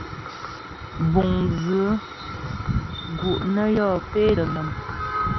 Buŋ dzʉ̂ gu' nə yɔ́ pé dəm nám.